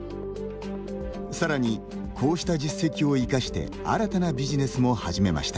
さらに、こうした実績を生かして新たなビジネスも始めました。